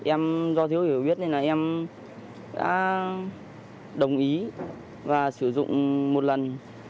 em do thiếu hiểu biết nên là em đã đồng ý và sử dụng một lần